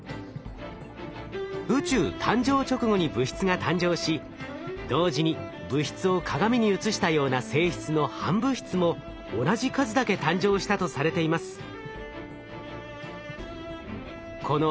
宇宙誕生直後に物質が誕生し同時に物質を鏡に映したような性質の反物質も同じ数だけ誕生したとされています。